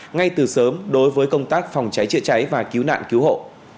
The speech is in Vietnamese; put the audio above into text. ngay từ sớm đối với công tác phòng cháy chữa cháy và cứu nạn cứu hộ